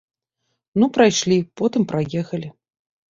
Ну прайшлі, потым праехалі.